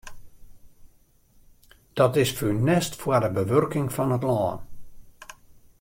Dat is funest foar de bewurking fan it lân.